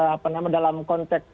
apa namanya dalam konteks disitu